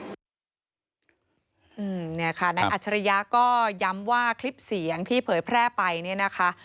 เนี่ยค่ะนายอัจฉริยะก็ย้ำว่าคลิปเสียงที่เผยแพร่ไปเนี่ยนะคะ